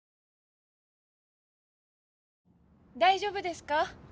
大丈夫ですか？